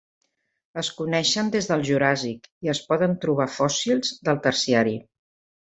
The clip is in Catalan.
Es coneixen des del Juràssic i es poden trobar fòssils del Terciari.